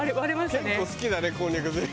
結構好きだねこんにゃくゼリー。